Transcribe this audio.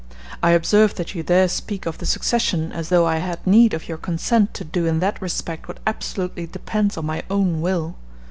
I observe that you there speak of the succession as though I had need of your consent to do in that respect what absolutely depends on my own will.